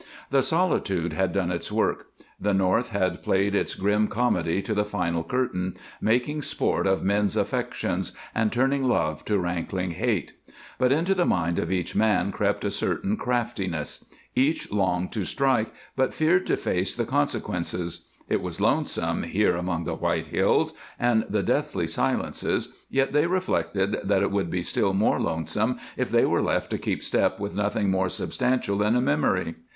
The solitude had done its work; the North had played its grim comedy to the final curtain, making sport of men's affections and turning love to rankling hate. But into the mind of each man crept a certain craftiness. Each longed to strike, but feared to face the consequences. It was lonesome, here among the white hills and the deathly silences, yet they reflected that it would be still more lonesome if they were left to keep step with nothing more substantial than a memory.